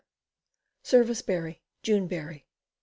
Service berry. June berry.